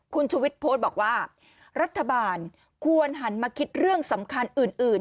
คุณชุวิตโพสต์บอกว่ารัฐบาลควรหันมาคิดเรื่องสำคัญอื่น